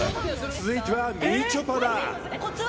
続いてはみちょぱだコツは？